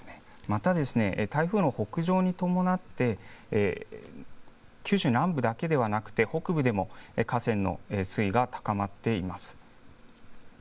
また、台風の北上に伴って、九州南部だけではなくて、北部でも、河川の水位が高まっています。